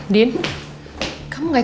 saya akan menangkapnya